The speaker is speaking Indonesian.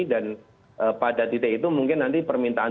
dan pada titik itu mungkin nanti permintaan